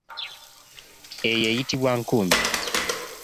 Eyo eyitibwa nkumbi.